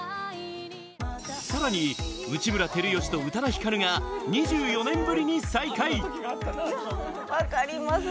さらに内村光良と宇多田ヒカルが２４年ぶりに再会。